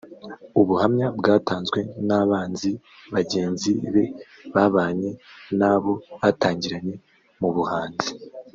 ubuhamya bwatanzwe n’abanzi bagenzi be babanye n’abo batangiranye mu buhanzi